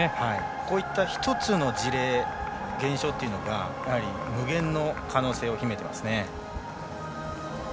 こういった１つの事例現象というのが無限の可能性を秘めていますね。